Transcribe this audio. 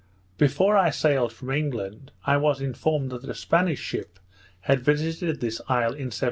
Before I sailed from England, I was informed that a Spanish ship had visited this isle in 1769.